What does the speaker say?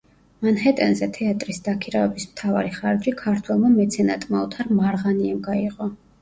მანჰეტენზე თეატრის დაქირავების მთავარი ხარჯი ქართველმა მეცენატმა ოთარ მარღანიამ გაიღო.